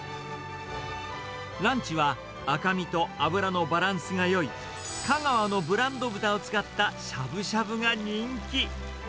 ランチは、赤身と脂のバランスがよい、香川のブランド豚を使ったしゃぶしゃぶが人気。